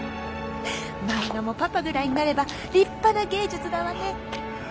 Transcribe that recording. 漫画もパパぐらいになれば立派な芸術だわね。